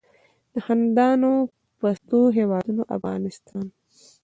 د خندانو پستو هیواد افغانستان.